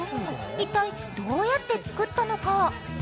一体、どうやって作ったのか？